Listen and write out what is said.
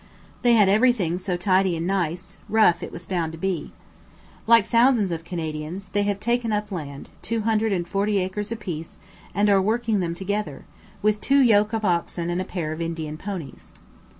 They had everything so tidy and nice, rough it was bound to be. Like thousands of Canadians, they have taken up land, 240 acres apiece, and are working them together, with two yoke of oxen and a pair of Indian ponies.